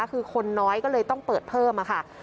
คือคนน้อยก็เลยต้องเปิดเพิ่มค่ะ